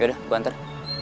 yaudah gua hantar